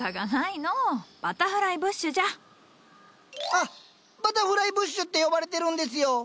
あっバタフライブッシュって呼ばれてるんですよ。